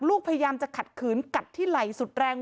พยายามจะขัดขืนกัดที่ไหล่สุดแรง